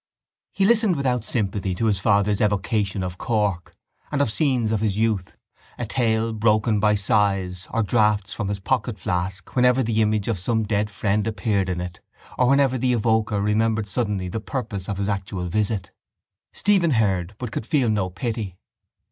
He listened without sympathy to his father's evocation of Cork and of scenes of his youth, a tale broken by sighs or draughts from his pocket flask whenever the image of some dead friend appeared in it or whenever the evoker remembered suddenly the purpose of his actual visit. Stephen heard but could feel no pity.